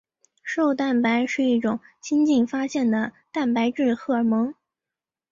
瘦蛋白是一种新近发现的蛋白质荷尔蒙。